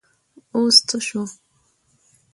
اوس څه شو ؟